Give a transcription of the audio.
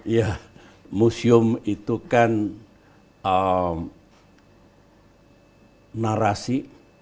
ya museum itu kan narasi